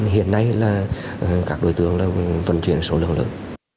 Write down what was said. hiện nay là các đối tượng vận chuyển số lượng lớn